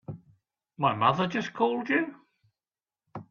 My mother just called you?